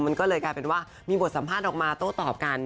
มันก็เลยกลายเป็นว่ามีบทสัมภาษณ์ออกมาโต้ตอบกัน